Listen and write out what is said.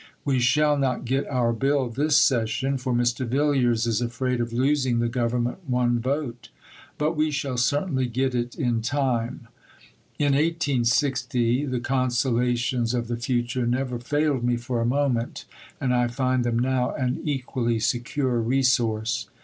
We shall not get our Bill this session, for Mr. Villiers is afraid of losing the Government one vote. But we shall certainly get it in time. "In 1860 the consolations of the future never failed me for a moment. And I find them now an equally secure resource."